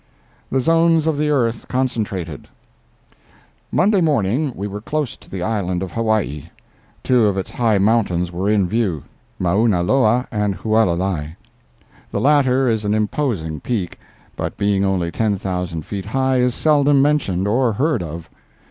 THE ZONES OF THE EARTH CONCENTRATED Monday morning we were close to the island of Hawaii. Two of its high mountains were in view—Mauna Loa and Hualalai. The latter is an imposing peak, but being only ten thousand feet high is seldom mentioned or heard of.